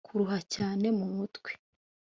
kuruha cyane mu mutwe